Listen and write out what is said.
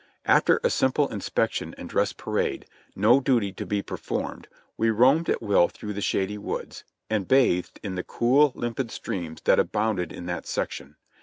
After a simple inspection and dress parade, no duty to be performed, we roamed at will through the shady woods, and bathed in the cool, limpid streams that abounded in that section.